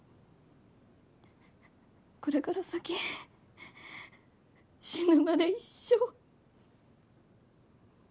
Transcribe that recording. これから先死ぬまで一生。